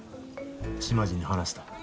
島地に話した。